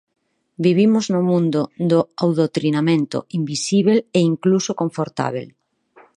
Vivimos no mundo do adoutrinamento invisíbel e incluso confortábel.